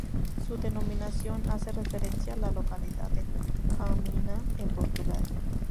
Su denominación hace referencia a la localidad de Caminha, en Portugal.